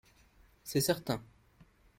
C’est certain